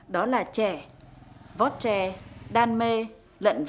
đó là chè vót chè đan mê lận vành nức và quét dầu